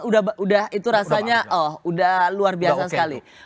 udah itu rasanya oh udah luar biasa sekali